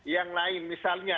yang lain misalnya